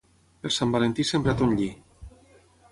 Per Sant Valentí sembra ton lli.